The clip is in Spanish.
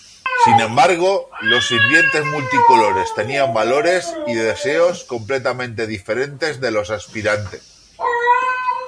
Sin embargo, los sirvientes multicolores tenían valores y deseos completamente diferentes de los aspirantes.